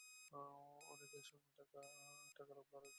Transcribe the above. অনেক সময় লাগবে আর টাকাও।